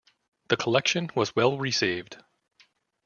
The collection was well received.